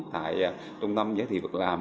tại trung tâm giới thiệu việc làm